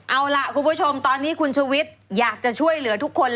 เอาล่ะคุณผู้ชมตอนนี้คุณชุวิตอยากจะช่วยเหลือทุกคน